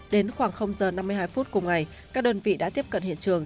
đến khoảng giờ năm mươi hai phút cùng ngày các đơn vị đã tiếp cận hiện trường